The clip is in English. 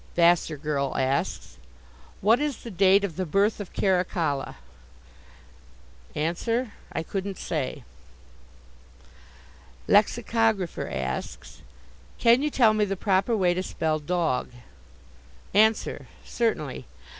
Vassar Girl asks: What is the date of the birth of Caracalla? Answer: I couldn't say. Lexicographer asks: Can you tell me the proper way to spell "dog"? Answer: Certainly.